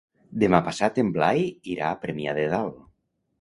Demà passat en Blai irà a Premià de Dalt.